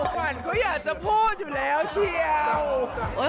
ขวัญเขาอยากจะพูดอยู่แล้วเชียว